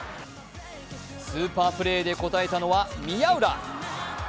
スーパープレーで応えたのは宮浦。